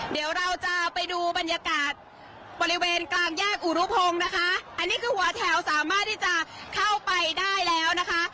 เดี๋ยวเราจะไปดูบรรยากาศบริเวณกลางแยกอุรุพงศ์นะคะอันนี้คือหัวแถวสามารถที่จะเข้าไปได้แล้วนะคะ